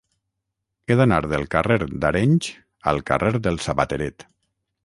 He d'anar del carrer d'Arenys al carrer del Sabateret.